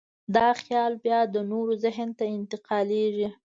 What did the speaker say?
دا خیال بیا د نورو ذهن ته انتقالېږي.